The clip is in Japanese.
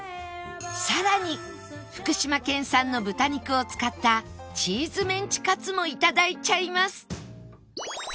さらに福島県産の豚肉を使ったチーズメンチカツも頂いちゃいます